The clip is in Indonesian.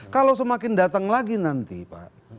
kalau semakin datang lagi nanti pak